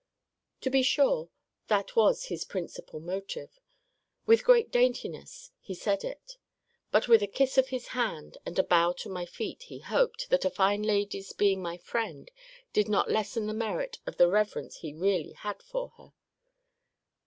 To be sure, that was his principal motive, with great daintiness he said it: but with a kiss of his hand, and a bow to my feet, he hoped, that a fine lady's being my friend did not lessen the merit of the reverence he really had for her.